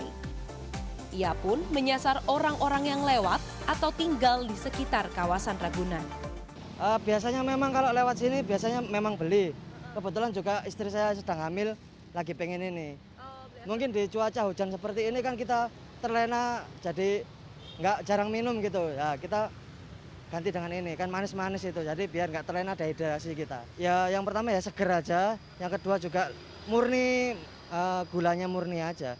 ia pun menyasar orang orang yang lewat atau tinggal di sekitar kawasan ragunan